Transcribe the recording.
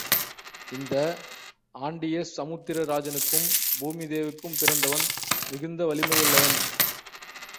இந்த ஆன்டியஸ் சமுத்திர ராஜனுக்கும் பூமிதேவிக்கும் பிறந்தவன் மிகுந்த வலிமை யுள்ளவன்.